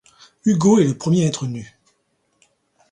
Hugo est le premier à être nu.